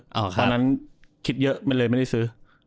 เพราะฉะนั้นคิดเยอะเลยไม่ได้ซื้อ